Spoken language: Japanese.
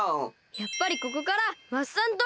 やっぱりここからワッサン島にひっこす！